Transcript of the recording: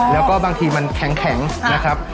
แล้วก็บางทีมันแข็งนะครับ